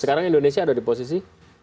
sekarang indonesia ada di posisi